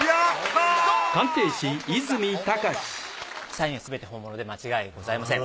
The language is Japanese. サインはすべて本物で間違いございません。